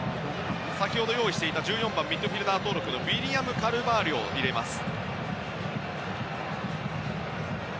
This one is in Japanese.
先ほど用意していた１４番ミッドフィールダー登録のウィリアム・カルバーリョを入れます。